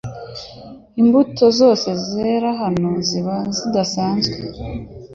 Imbuto zera hano zose ziba zidasanzwe